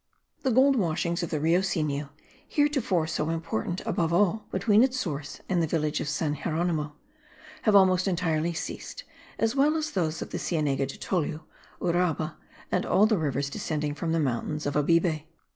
The gold washings of the Rio Sinu, heretofore so important above all, between its source and the village of San Geronimo, have almost entirely ceased, as well as those of Cienega de Tolu, Uraba and all the rivers descending from the mountains of Abibe.